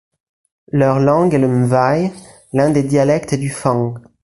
Leur langue est le mvaï, l'un des dialectes du fang.